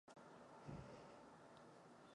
Stuha je modrá.